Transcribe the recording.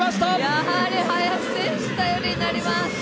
やはり林選手頼りになります！